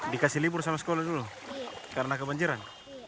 dikasih libur sama sekolah dulu karena kebanjiran